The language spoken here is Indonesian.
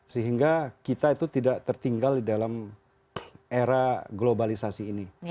sehingga kita itu tidak tertinggal di dalam era globalisasi ini